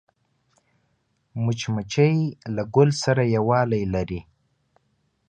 مچمچۍ له ګل سره یووالی لري